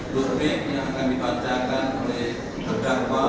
duk bik yang akan dipancakan oleh berdagua